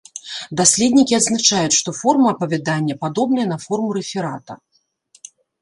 Даследнікі адзначаюць, што форма апавядання падобная на форму рэферата.